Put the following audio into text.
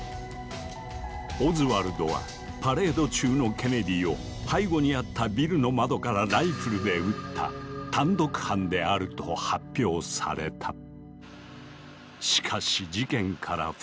オズワルドはパレード中のケネディを背後にあったビルの窓からライフルで撃った単独犯であると発表された。